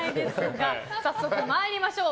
早速参りましょう。